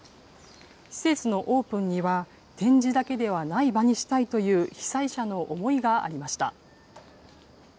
施設のオープンには、展示だけではない場にしたいという被災者の思いがありました。